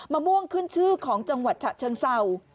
ม่วงขึ้นชื่อของจังหวัดฉะเชิงเศร้า